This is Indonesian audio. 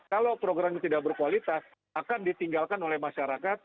kalau program ini tidak berkualitas akan ditinggalkan oleh masyarakat